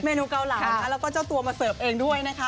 นูเกาเหลานะแล้วก็เจ้าตัวมาเสิร์ฟเองด้วยนะคะ